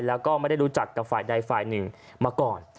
แล้วก็ไม่ได้รู้จักกับฝ่ายใดฝ่ายหนึ่งมาก่อน